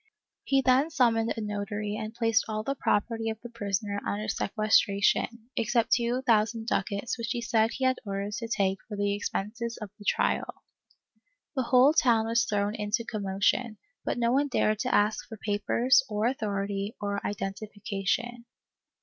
He then summoned a notary and placed all the property of the prisoner under sequestration, except two thousand ducats which he said he had orders to take for the expenses of the trial. The whole town was thrown into commotion, but no one dared to ask for papers, or authority, or identification.